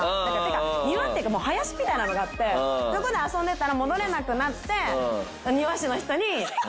庭っていうかもう林みたいなのがあってそこで遊んでたら戻れなくなって。